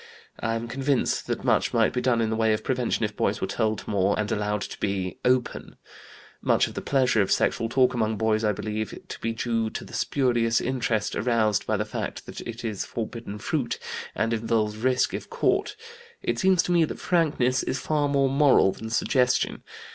I am convinced that much might be done in the way of prevention if boys were told more, and allowed to be open. Much of the pleasure of sexual talk among boys I believe to be due to the spurious interest aroused by the fact that it is forbidden fruit, and involves risk if caught. It seems to me that frankness is far more moral than suggestion.